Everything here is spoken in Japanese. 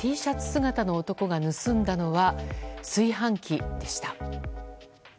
姿の男が盗んだのは炊飯器でした。